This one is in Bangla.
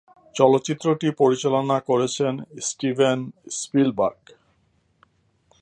চলচ্চিত্রটি পরিচালনা করেছেন স্টিভেন স্পিলবার্গ।